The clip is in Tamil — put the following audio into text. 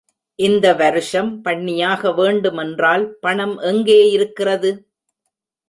இந்த வருஷம் பண்ணியாக வேண்டுமென்றால் பணம் எங்கே இருக்கிறது?